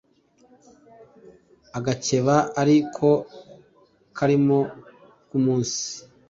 Agakebe ari ko karimo k ' umunsi